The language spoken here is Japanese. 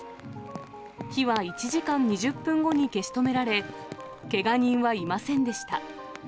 火は１時間２０分後に消し止められ、けが人はいませんでした。